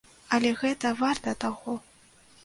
Але гэта варта таго!